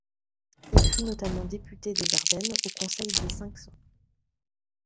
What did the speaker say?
Il fut notamment député des Ardennes au Conseil des Cinq-Cents.